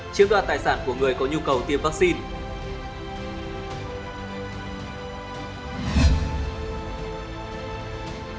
chiếm đoạt tài sản của người có nhu cầu tiêm vaccine